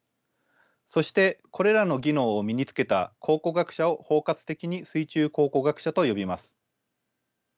そしてこれらの技能を身につけた考古学者を包括的に水中考古学者と呼びます。